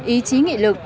ý chí nghị lực